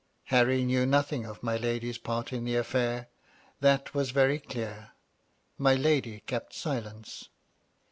Harry knew nothing of my lady's part in the affair ; that was very clear. My lady kept silence.